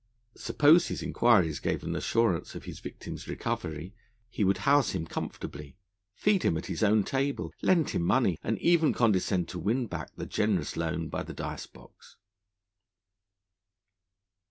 Suppose his inquiries gave an assurance of his victim's recovery, he would house him comfortably, feed him at his own table, lend him money, and even condescend to win back the generous loan by the dice box.